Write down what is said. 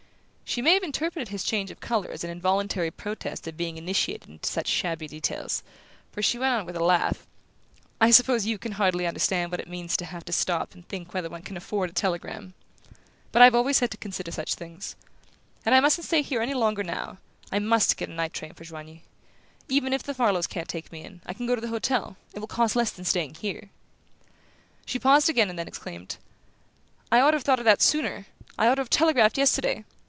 She may have interpreted his change of colour as an involuntary protest at being initiated into such shabby details, for she went on with a laugh: "I suppose you can hardly understand what it means to have to stop and think whether one can afford a telegram? But I've always had to consider such things. And I mustn't stay here any longer now I must try to get a night train for Joigny. Even if the Farlows can't take me in, I can go to the hotel: it will cost less than staying here." She paused again and then exclaimed: "I ought to have thought of that sooner; I ought to have telegraphed yesterday!